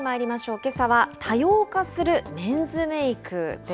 けさは、多様化するメンズメークです。